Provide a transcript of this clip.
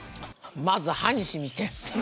まず歯にしみて。